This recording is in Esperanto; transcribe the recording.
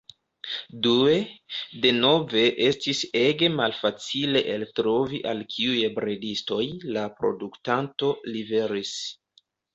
Due, denove estis ege malfacile eltrovi al kiuj bredistoj la produktanto liveris.